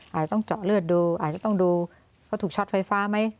อาจจะต้องเจาะเลือดดูอาจจะต้องดูว่าถูกช็อตไฟฟ้าไหม